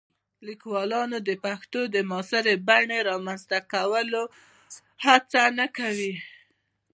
لیکوالان د پښتو د معاصرې بڼې د رامنځته کولو هڅه نه کوي.